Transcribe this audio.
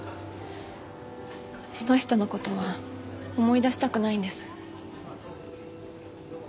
その人の事は思い出したくないんです。